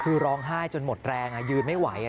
คือร้องไห้จนหมดแรงยืนไม่ไหว